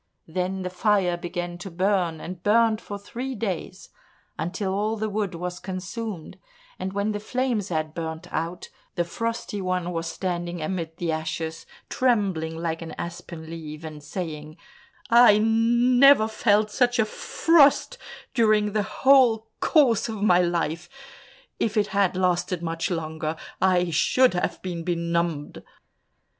Then the fire began to burn, and burnt for three days until all the wood was consumed, and when the flames had burnt out, the Frosty One was standing amid the ashes, trembling like an aspen leaf, and saying, "I never felt such a frost during the whole course of my life; if it had lasted much longer, I should have been benumbed!"